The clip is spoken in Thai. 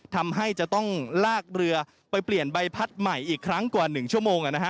ทำให้จะต้องลากเรือไปเปลี่ยนใบพัดใหม่อีกครั้งกว่า๑ชั่วโมง